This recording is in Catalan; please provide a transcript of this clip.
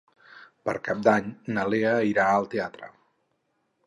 Per Cap d'Any na Lea irà al teatre.